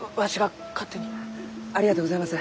ありがとうございます。